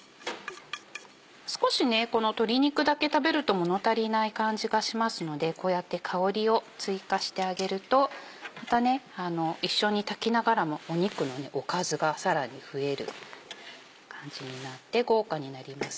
少しこの鶏肉だけ食べるともの足りない感じがしますのでこうやって香りを追加してあげると一緒に炊きながらも肉のおかずがさらに増える感じになって豪華になります。